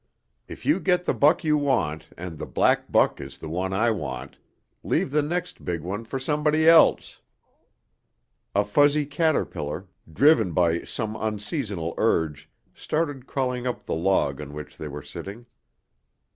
If you get the buck you want, and the black buck is the one I want, leave the next big one for somebody else." A fuzzy caterpillar, driven by some unseasonal urge, started crawling up the log on which they were sitting.